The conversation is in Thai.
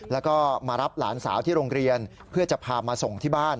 แล้วก็มารับหลานสาวที่โรงเรียนเพื่อจะพามาส่งที่บ้าน